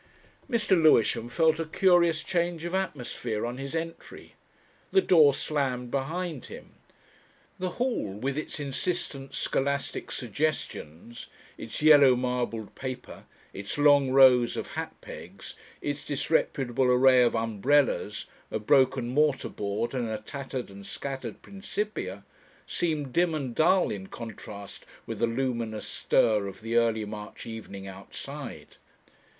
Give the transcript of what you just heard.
Mr. Lewisham felt a curious change of atmosphere on his entry. The door slammed behind him. The hall with its insistent scholastic suggestions, its yellow marbled paper, its long rows of hat pegs, its disreputable array of umbrellas, a broken mortar board and a tattered and scattered Principia, seemed dim and dull in contrast with the luminous stir of the early March evening outside.